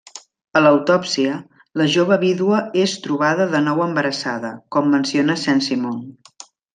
A l'autòpsia, la jove vídua és trobada de nou embarassada com menciona Saint-Simon.